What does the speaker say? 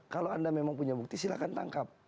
kalau anda memang punya bukti silahkan tangkap